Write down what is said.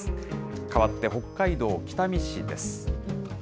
かわって、北海道北見市です。